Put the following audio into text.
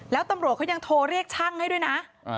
แล้วตำรวจเขายังโทรเรียกช่างให้ด้วยนะ